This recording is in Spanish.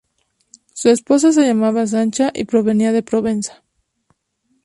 Su esposa se llamaba Sancha y provenía de Provenza.